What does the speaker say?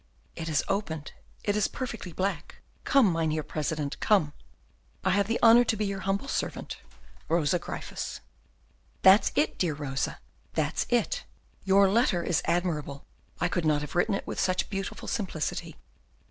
"It has opened; it is perfectly black; come, Mynheer President, come. "I have the honour to be your humble servant, "Rosa Gryphus. "That's it, dear Rosa, that's it. Your letter is admirable! I could not have written it with such beautiful simplicity.